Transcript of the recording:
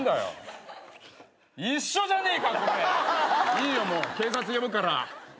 いいよもう警察呼ぶから。